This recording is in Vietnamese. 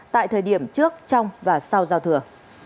tại thời điểm trước trong và sau giao thừa